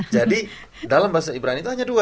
jadi dalam bahasa ibrani itu hanya dua